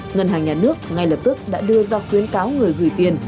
ngân hàng nhà nước ngay lập tức đã đưa ra khuyến cáo người gửi tiền